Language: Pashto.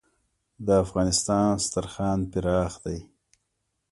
د افغانستان دسترخان پراخ دی